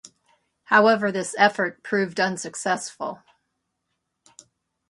However this effort proved unsuccessful.